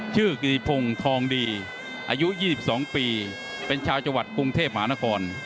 กิติพงศ์ทองดีอายุ๒๒ปีเป็นชาวจังหวัดกรุงเทพมหานคร